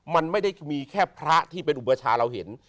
มันไม่ได้มีแค่พระที่เป็นอุปชาเราเห็น